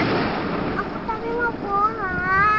aku tadi mau pulang